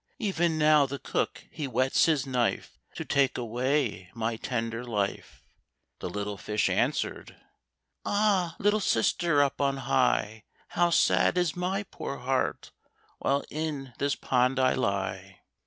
Even now the cook he whets his knife To take away my tender life." The little fish answered, "Ah, little sister, up on high How sad is my poor heart While in this pond I lie."